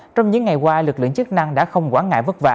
trong những ngày qua lực lượng chức năng đã không quản ngại vất vả